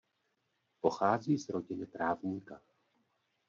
Pochází z rodiny právníka.